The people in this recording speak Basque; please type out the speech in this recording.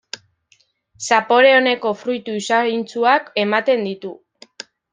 Zapore oneko fruitu usaintsuak ematen ditu.